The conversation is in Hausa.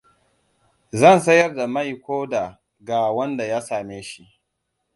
Zan sayar da mai koda ga wanda ya same shi.